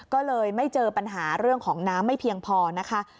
ก็เลยไม่เจอปัญหาเรื่องของน้ำไม่เพียงพอนะคะ